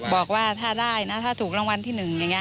บอกว่าถ้าได้ถ้าถูกรางวัลที่๑